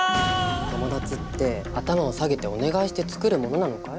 友達って頭を下げてお願いしてつくるものなのかい？